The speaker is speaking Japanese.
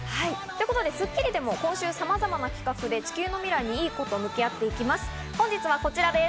『スッキリ』でも今週はさまざまな企画で地球の未来にいいことと向き合っていきます。